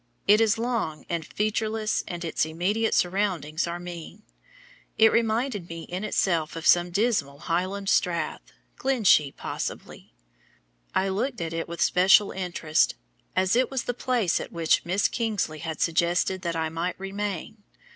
It is long and featureless, and its immediate surroundings are mean. It reminded me in itself of some dismal Highland strath Glenshee, possibly. I looked at it with special interest, as it was the place at which Miss Kingsley had suggested that I might remain.